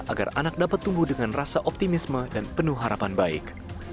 agar anak dapat tumbuh dengan rasa optimisme dan penuh harapan baik